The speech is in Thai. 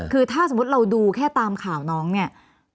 คือถ้าสมมุติเราดูแค่ตามข่าวน้องเนี่ย